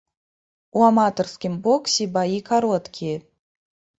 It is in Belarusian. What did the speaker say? У аматарскім боксе баі кароткія.